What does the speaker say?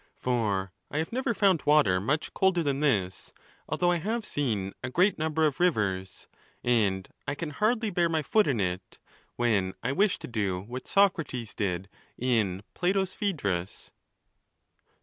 For I have never found water much colder than this, although I have seen a great number of rivers ; and I can hardly bear my foot in it, when I wish to do what Socrates did in Plato's Phedrus.